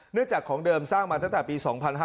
เนื่องจากของเดิมสร้างมาตั้งแต่ปี๒๕๔๕